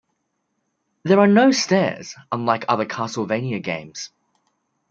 There are no stairs, unlike other Castlevania games.